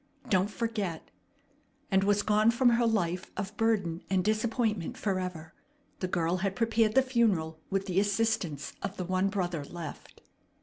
Don't forget!" and was gone from her life of burden and disappointment forever, the girl had prepared the funeral with the assistance of the one brother left.